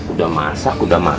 udah masak udah makan